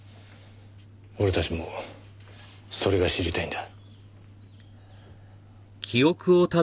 俺たちもそれが知りたいんだ。